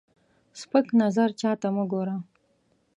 سپک نظر چاته مه ګوره